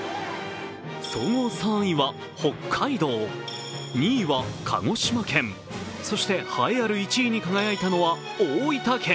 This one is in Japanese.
総合３位は北海道、２位は鹿児島県、そして栄えある１位に輝いたのは大分県。